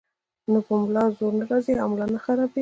نو پۀ ملا زور نۀ راځي او ملا نۀ خرابيږي -